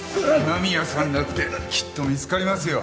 今宮さんだってきっと見つかりますよ。